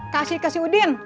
kasih ke si udin